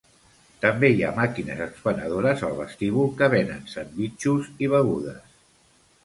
També hi ha màquines expenedores al vestíbul que venen sandvitxos i begudes.